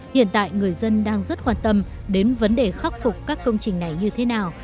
hiện tại người dân đang rất quan tâm đến vấn đề khắc phục các công trình này như thế nào